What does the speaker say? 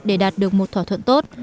để đạt được một thỏa thuận tốt